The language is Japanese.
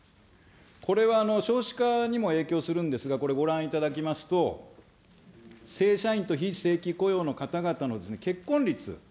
これは少子化にも影響するんですが、ご覧いただきますと、正社員と非正規雇用の方々の結婚率。